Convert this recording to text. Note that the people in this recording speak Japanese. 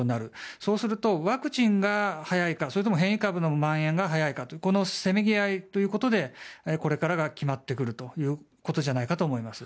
そうすると、ワクチンが早いか変異株の蔓延が早いかというせめぎ合いということでこれからが決まってくるということだと思います。